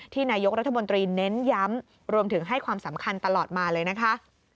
นายกรัฐมนตรีเน้นย้ำรวมถึงให้ความสำคัญตลอดมาเลยนะคะ